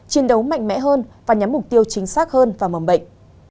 chiến đấu mạnh mẽ hơn và nhắm mục tiêu chính xác hơn vào mầm bệnh